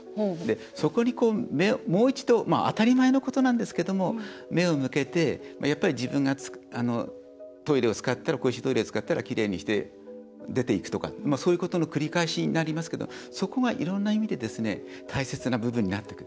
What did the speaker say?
そこにもう一度当たり前のことなんですけど目を向けて自分が公衆トイレを使ったらきれいにして出ていくとかそういうことの繰り返しになりますけどそこがいろんな意味で大切な部分になってくる。